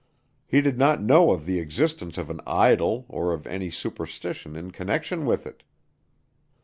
He did not know of the existence of an idol or of any superstition in connection with it.